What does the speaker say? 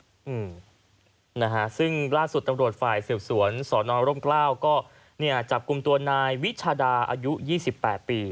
อืมนะฮะซึ่งล่าสุดตำรวจฝ่ายสืบสวนสอนอร่มกล้าวก็เนี่ยจับกลุ่มตัวนายวิชาดาอายุยี่สิบแปดปี